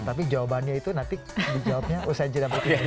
tapi jawabannya itu nanti dijawabnya usaiin jendera berikut ini